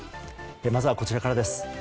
まずはこちらからです。